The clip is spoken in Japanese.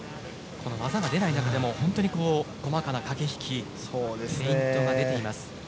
この技が出ない中でも細かな駆け引きフェイントが出ています。